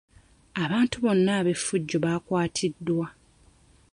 Abantu bonna ab'effujjo baakwatiddwa.